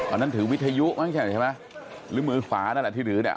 อันนั้นถือวิทยุมั้งใช่ไหมหรือมือขวานั่นแหละที่ถือเนี่ย